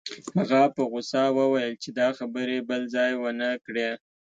هغه په غوسه وویل چې دا خبرې بل ځای ونه کړې